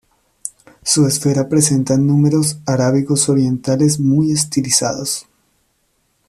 Su esfera presenta números arábigos orientales muy estilizados.